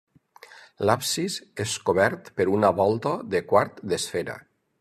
L'absis és cobert per una volta de quart d'esfera.